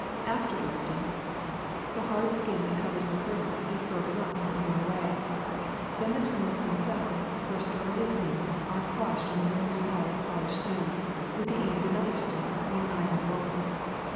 After roasting, the hard CHOCOLATE 195 skin that covers the kernels is broken up and thrown away; then the kernels themselves, first thoroughly cleaned, are crushed on a very hard polished stone with the aid of another stone or an iron roller.